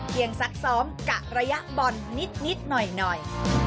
ซักซ้อมกะระยะบอลนิดหน่อย